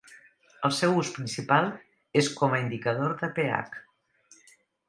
El seu ús principal és com a indicador de pH.